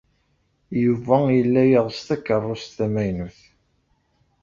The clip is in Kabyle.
Yuba yella yeɣs takeṛṛust tamaynut.